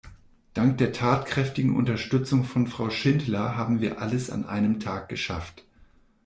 Dank der tatkräftigen Unterstützung von Frau Schindler haben wir alles an einem Tag geschafft.